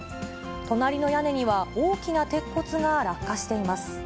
隣の屋根には大きな鉄骨が落下しています。